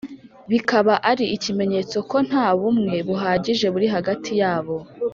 bikaba ari ikimenyetso ko nta bumwe buhagije buri hagati yabo.